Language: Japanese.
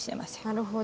なるほど。